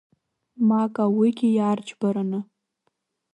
Мака уигьы иаарџьбараны.